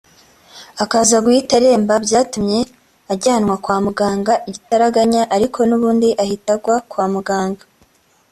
akaza guhita aremba byatumye ajyanwa kwa muganga igitaraganya ariko n’ubundi ahita agwa kwa muganga